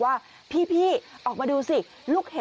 อำเภอไซน้อยจังหวัดนนทบุรี